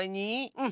うん。